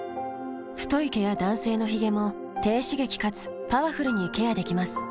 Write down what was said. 太い毛や男性のヒゲも低刺激かつパワフルにケアできます。